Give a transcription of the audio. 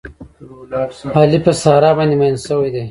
علي په ساره باندې مین شوی دی.